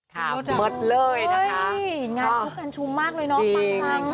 ค่ะมากเลยนะคะพักมากเลยค่ะเลย